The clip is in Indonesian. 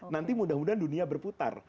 nanti mudah mudahan dunia berputar